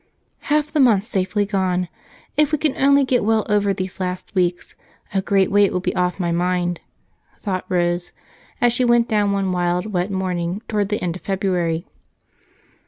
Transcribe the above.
"Half the month safely gone. If we can only get well over these last weeks, a great weight will be off my mind," thought Rose as she went down one wild, wet morning toward the end of February.